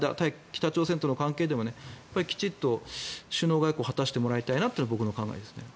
北朝鮮との関係でもきちんと首脳外交を果たしてもらいたいというのが僕の考えです。